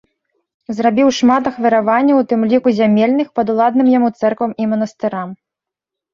Зрабіў шмат ахвяраванняў, у тым ліку зямельных, падуладным яму цэрквам і манастырам.